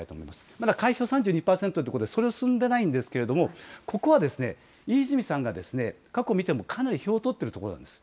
まだ開票３２％ということで、それほど進んでいないんですけれども、ここは飯泉さんが過去見てもかなり票を取ってる所なんです。